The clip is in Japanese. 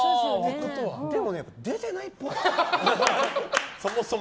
でもね、出てないっぽい。